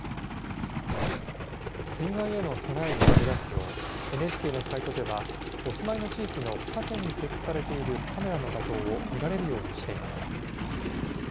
水害への備えに役立つようＮＨＫのサイトでは、お住まいの地域の河川に設置されているカメラの画像を見られるようにしています。